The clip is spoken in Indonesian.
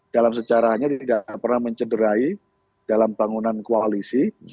dalam sejarahnya tidak pernah mencederai dalam bangunan koalisi